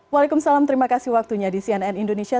waalaikumsalam terima kasih waktunya di cnn indonesia